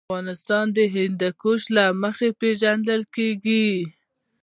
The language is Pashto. افغانستان د هندوکش له مخې پېژندل کېږي.